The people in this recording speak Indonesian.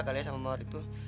kalian sama maury itu